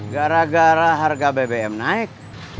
gara gara harga bbm naik